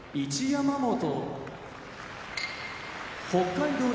山本北海道